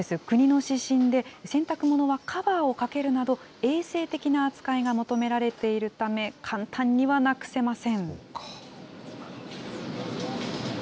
国の指針で洗濯物はカバーをかけるなど、衛生的な扱いが求められているため、簡単にはなくせません。